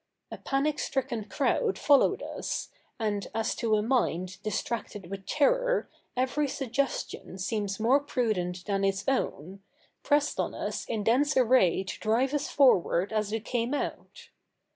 A panic stricken crowd followed us, and, as to a mind distracted with terror every suggestion seems more prudent than its own, pressed on us in dense array to drive us forward as we came out.